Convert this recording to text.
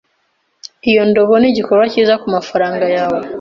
Iyo ndobo nigikorwa cyiza kumafaranga yawe.